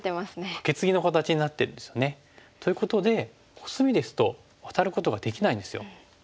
カケツギの形になってるんですよね。ということでコスミですとワタることができないんですよ。